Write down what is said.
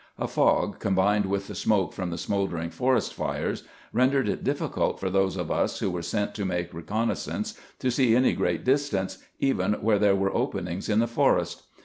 A fog, combined with the smoke from the smoldering forest fires, rendered it difficult for those of us who were sent to make recon naissances to see any great distance, even where there were openings in the forest.